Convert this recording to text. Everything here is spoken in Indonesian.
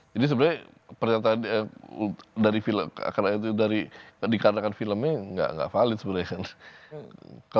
karena percayaan dari film karena itu dari dikarenakan filmnya gak valid sebenarnya kan